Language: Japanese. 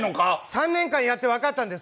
３年間やって分かったんです。